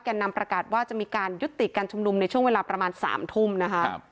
นำประกาศว่าจะมีการยุติการชุมนุมในช่วงเวลาประมาณ๓ทุ่มนะคะ